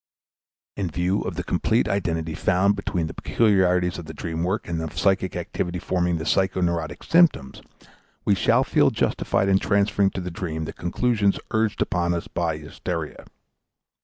In view of the complete identity found between the peculiarities of the dream work and of the psychic activity forming the psychoneurotic symptoms, we shall feel justified in transferring to the dream the conclusions urged upon us by hysteria.